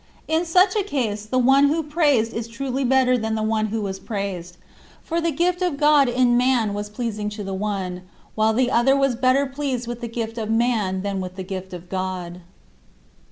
In such a case the one who praised is truly better than the one who was praised. For the gift of God in man was pleasing to the one, while the other was better pleased with the gift of man than with the gift of God.